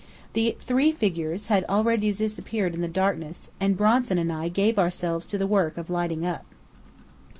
The three figures had already disappeared in the darkness, and Bronson and I gave ourselves to the work of lighting up.